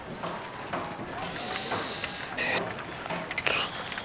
えっと。